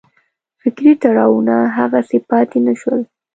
فکري تړاوونه هغسې پاتې نه شول.